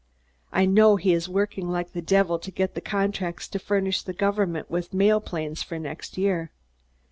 I know he is working like the devil to get the contracts to furnish the government with mail planes for next year.